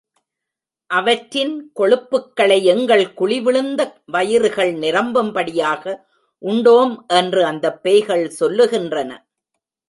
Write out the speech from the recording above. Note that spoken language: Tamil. அவற்றின் கொழுப்புக்களை எங்கள் குழி விழுந்த வயிறுகள் நிரம்பும்படியாக உண்டோம் என்று அந்தப் பேய்கள் சொல்லுகின்றன.